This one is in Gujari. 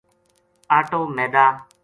اَٹو میدا